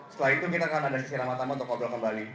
setelah itu kita akan ada sisi ramah tambal untuk ngobrol kembali